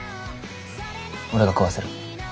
俺が食わせる。